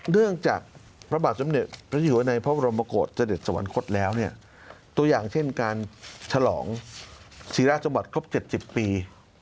เนื่องจากพระบาทจำเด็จประชิงหัวในพระบัลประโยชน์เจด็จสวรรค์คดแล้วตัวอย่างเช่นการฉลองศีราจละบรรคครบ๗๐ปี